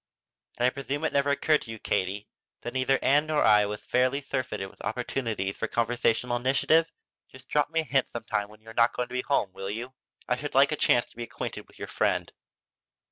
"And I presume it never occurred to you, Katie, that neither Ann nor I was fairly surfeited with opportunities for conversational initiative? Just drop me a hint sometime when you are not going to be at home, will you? I should like a chance to get acquainted with your friend."